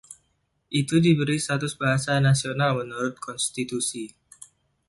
Itu diberi status bahasa nasional menurut konstitusi.